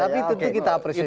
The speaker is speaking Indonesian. tapi tentu kita apresiasi